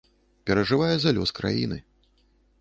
Перажывае за лёс краіны.